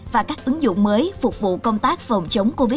và các ứng dụng mới phục vụ công tác phòng chống covid một mươi chín